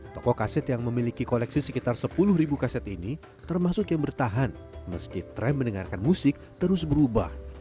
toko kaset yang memiliki koleksi sekitar sepuluh ribu kaset ini termasuk yang bertahan meski tren mendengarkan musik terus berubah